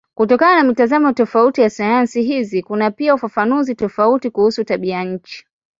Kutokana na mitazamo tofauti ya sayansi hizi kuna pia ufafanuzi tofauti kuhusu tabianchi.